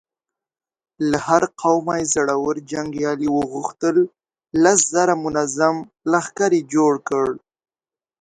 له هر قومه يې زړور جنګيالي وغوښتل، لس زره منظم لښکر يې جوړ کړ.